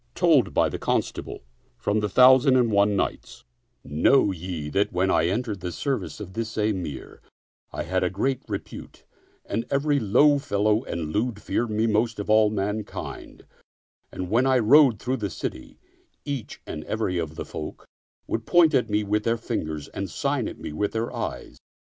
ToIJ by the Constable From the Arabic I^NOW ye that when I entered the service of this Emir, I had a great repute and every low fellow and lewd feared me most of all mankind, and when I rode through the city, each and every of the folk would point at me with their fingers and sign at me with their eyes.